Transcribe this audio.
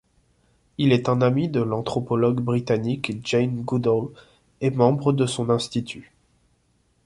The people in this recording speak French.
Il est un ami de l'anthropologue britannique Jane Goodall et membre de son institut.